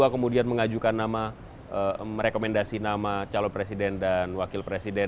kemudian mengajukan nama rekomendasi nama calon presiden dan wakil presiden